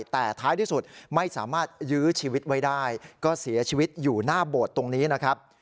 แต่ท้ายที่สุดไม่สามารถยื้อชีวิตไว้ได้ก็เสียชีวิตอยู่หน้าโบสถ์ตรงนี้นะครับ